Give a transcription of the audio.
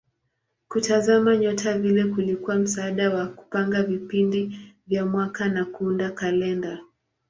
Kutazama nyota vile kulikuwa msaada wa kupanga vipindi vya mwaka na kuunda kalenda.